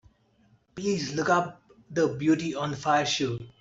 Please look up the Beauty on the Fire show.